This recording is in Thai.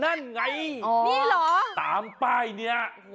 นั่นไงนี่เหรอตามป้ายนี้